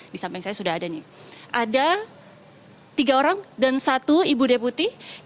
di samping saya sudah ada nih ada tiga orang dan satu ibu deputi